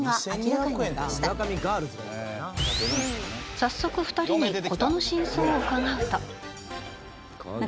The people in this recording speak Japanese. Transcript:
早速２人に事の真相を伺うと。